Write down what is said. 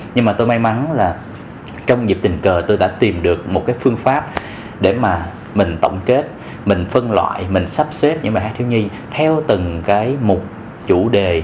nhưng mà tôi may mắn là trong dịp tình cờ tôi đã tìm được một cái phương pháp để mà mình tổng kết mình phân loại mình sắp xếp những bài hát thiếu nhi theo từng cái một chủ đề